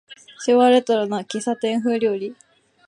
昭和レトロな喫茶店風料理